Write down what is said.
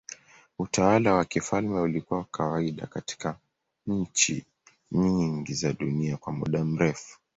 Utawala wa kifalme ulikuwa wa kawaida katika nchi nyingi za dunia kwa muda mrefu.